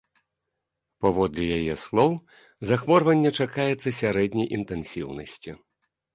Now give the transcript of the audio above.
Паводле яе слоў, захворванне чакаецца сярэдняй інтэнсіўнасці.